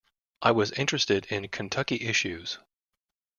I was interested in Kentucky issues.